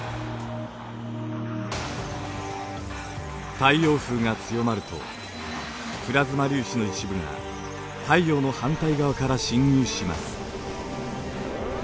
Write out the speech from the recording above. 太陽風が強まるとプラズマ粒子の一部が太陽の反対側から侵入します。